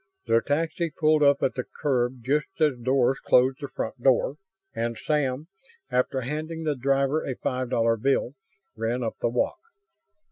The taxi pulled up at the curb just as Doris closed the front door; and Sam, after handing the driver a five dollar bill, ran up the walk.